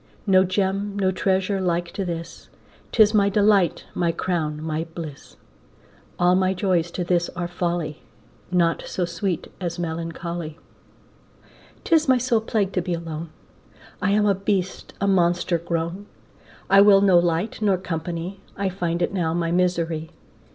No Gem, no treasure like to this, 'Tis my delight, my crown, my bliss. All my joys to this are folly, Naught so sweet as melancholy. 'Tis my sole plague to be alone, I am a beast, a monster grown, I will no light nor company, I find it now my misery.